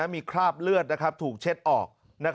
มีคราบเลือดถูกเช็ดออก